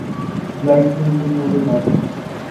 Light will win over darkness.